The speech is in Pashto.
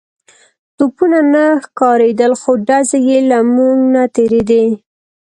توپونه نه ښکارېدل خو ډزې يې له موږ نه تېرېدې.